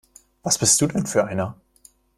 Was bist du denn für einer?